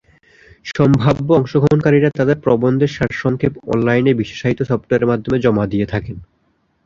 সম্ভাব্য অংশগ্রহণকারীরা তাদের প্রবন্ধের সারসংক্ষেপ অনলাইনে বিশেষায়িত সফটওয়্যারের মাধ্যমে জমা দিয়ে থাকেন।